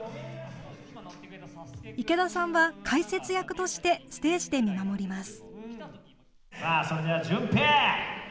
池田さんは、解説役としてステージで見守ります。